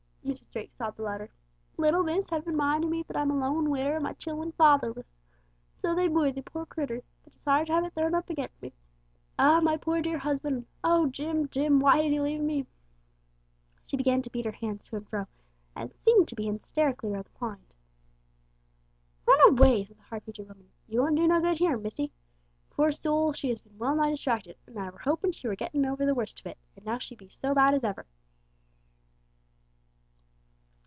Mrs. Drake sobbed the louder. "Little miss have been mindin' me that I'm a lone widder, and my chillen fatherless. So they be, the poor critturs, but 'tis hard to have it thrown up agen me! Ah, my poor dear husban'! Oh, Jim, Jim! why did 'ee leave me?" She began to beat her hands to and fro, and seemed to be hysterically inclined. "Run away," said the hard featured woman. "You won't do no good here, missy. Poor soul! she has been well nigh distracted, and I were hopin' she were gettin' over the worst of it, and now she be so bad as ever!"